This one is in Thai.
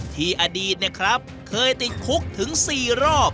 ที่อดีตนะครับเคยติดคุกถึง๔รอบ